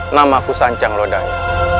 namaku sancang lodanya